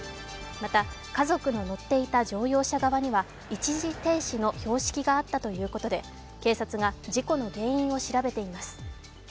また、家族の乗っていた乗用車側には一時停止の標識があったということで警察が事故の原因を調べています。